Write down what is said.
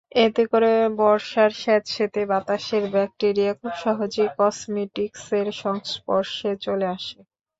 এতে করে বর্ষার স্যাঁতসেঁতে বাতাসের ব্যাকটেরিয়া খুব সহজেই কসমেটিকসের সংস্পর্শে চলে আসে।